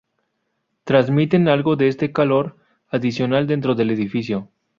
Transmiten algo de este calor adicional dentro del edificio.